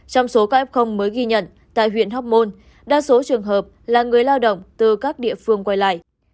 trong số các f mới ghi nhận tại huyện hóc môn đa số trường hợp là người lao động từ các địa phương quay lại